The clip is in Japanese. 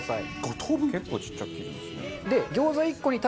結構ちっちゃく切るんですね。